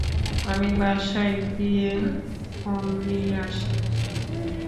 আমি বাসায় গিয়ে ফোন নিয়ে আসি।